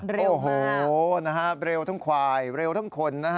เร็วมากโอ้โฮนะฮะเร็วทั้งขวายเหล่าทั้งคน